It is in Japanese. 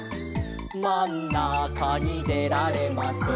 「まんなかにでられません」